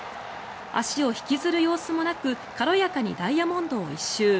足を引きずる様子もなく軽やかにダイヤモンドを一周。